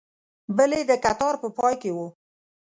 بل یې د کتار په پای کې و.